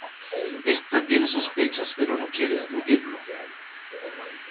Esta tiene sospechas pero no quiere admitirlo.